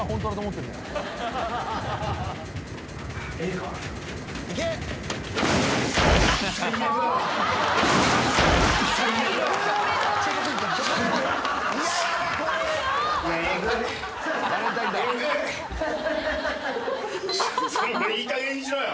ていうかいいかげんにしろよ。